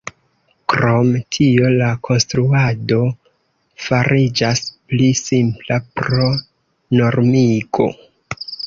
Krom tio la konstruado fariĝas pli simpla pro normigo.